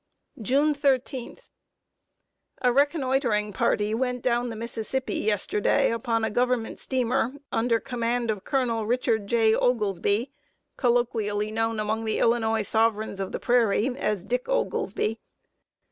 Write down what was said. June 13. A reconnoitering party went down the Mississippi yesterday upon a Government steamer, under command of Colonel Richard J. Oglesby, colloquially known among the Illinois sovereigns of the prairie as "Dick Oglesby."